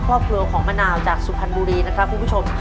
ครอบครัวของมะนาวจากสุพรรณบุรีนะครับ